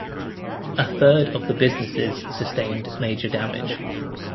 A third of the businesses sustained major damage.